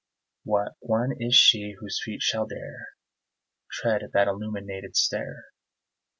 What one is she whose feet shall dare Tread that illuminated stair?